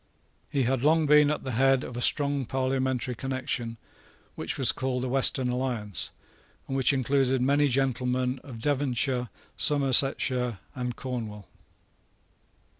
He had long been at the head of a strong parliamentary connection, which was called the Western Alliance, and which included many gentlemen of Devonshire, Somersetshire, and Cornwall.